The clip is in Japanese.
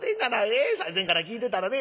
最前から聞いてたらね